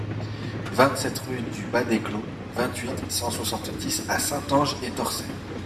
vingt-sept rue du Bas des Clos, vingt-huit, cent soixante-dix à Saint-Ange-et-Torçay